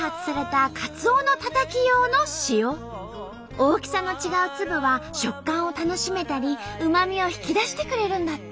大きさの違う粒は食感を楽しめたりうまみを引き出してくれるんだって。